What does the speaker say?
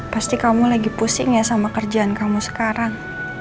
pasti kamu lagi pusing ya sama kerjaan kamu sekarang